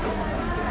năm sáu trăm